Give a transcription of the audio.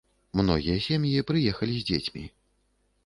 Многія сем'і прыехалі з дзецьмі.